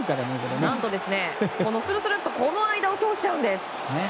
何とするするっとこの間を通しちゃうんです！